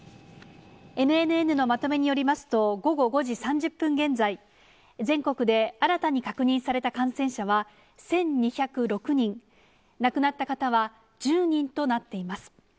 ＮＮＮのまとめによりますと、午後５時３０分現在、全国で新たに確認された感染者は１２０６人、亡くなった方は１０人となっています。